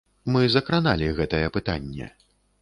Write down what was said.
Мы закраналі гэтае пытанне.